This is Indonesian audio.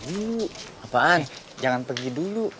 dulu apaan jangan pergi dulu